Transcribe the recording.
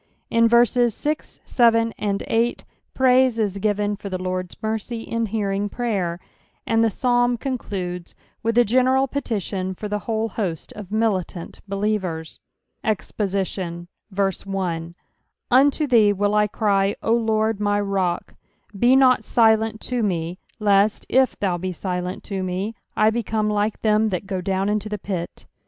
In verses 6, 7, ond 8, praise Is given for Oie Zorrfs mercy in hearing prayer, and the Psabn amdudes with a gena al petition for the whole host cf miiUant btlitKera. EXPOSITION. UNTO thee will I cry, O Lord my rock ; be not silent to me, lest, i/thou be silent to me, I become like them that go down into the pit.